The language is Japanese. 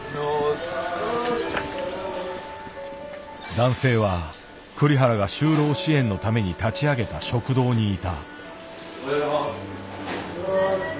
男性は栗原が就労支援のために立ち上げた食堂にいた。